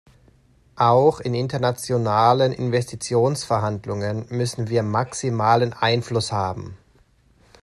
Auch in internationalen Investitionsverhandlungen müssen wir maximalen Einfluss haben.